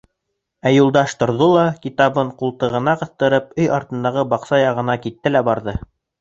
Ә Юлдаш торҙо ла, китабын ҡултығына ҡыҫтырып, өй артындағы баҡса яғына китте лә барҙы.